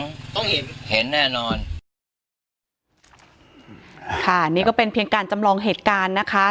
ต้องเห็นเห็นแน่นอนค่ะนี่ก็เป็นเพียงการจำลองเหตุการณ์นะคะ